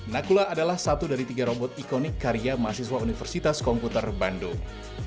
nakula adalah satu dari tiga robot ikonik karya mahasiswa universitas komputer bandung